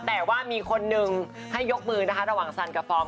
เหมือนเยอะนะครับผม